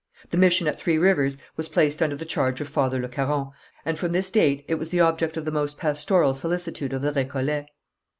The mission at Three Rivers was placed under the charge of Father Le Caron, and from this date it was the object of the most pastoral solicitude of the Récollets.